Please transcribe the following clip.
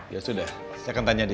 ya sudah saya akan tanya dia